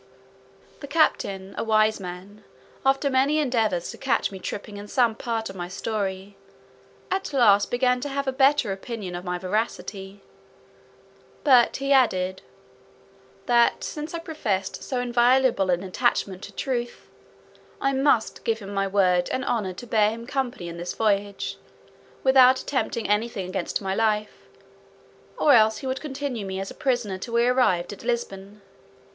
The captain, a wise man, after many endeavours to catch me tripping in some part of my story, at last began to have a better opinion of my veracity. But he added, "that since I professed so inviolable an attachment to truth, I must give him my word and honour to bear him company in this voyage, without attempting any thing against my life; or else he would continue me a prisoner till we arrived at Lisbon."